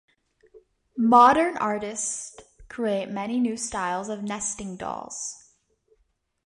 Modern artists create many new styles of nesting dolls.